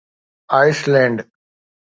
ice land